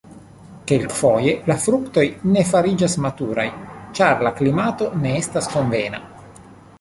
Kelkfoje la fruktoj ne fariĝas maturaj, ĉar la klimato ne estas konvena.